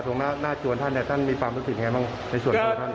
หน้าจวนท่านท่านมีความรู้สึกยังไงบ้างในส่วนของท่าน